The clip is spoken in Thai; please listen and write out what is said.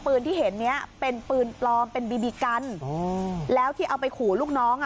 ที่เห็นเนี้ยเป็นปืนปลอมเป็นบีบีกันอ๋อแล้วที่เอาไปขู่ลูกน้องอ่ะ